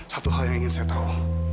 satu hal yang ingin saya tahu